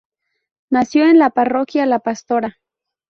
Nació en la parroquia La Pastora.